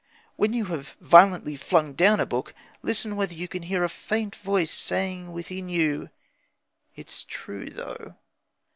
When you have violently flung down a book, listen whether you can hear a faint voice saying within you: "It's true, though!"